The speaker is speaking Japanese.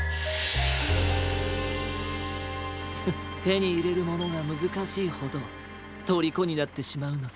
フッてにいれるものがむずかしいほどとりこになってしまうのさ。